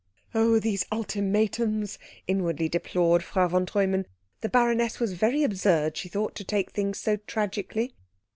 "Oh, these ultimatums!" inwardly deplored Frau von Treumann; the baroness was very absurd, she thought, to take the thing so tragically.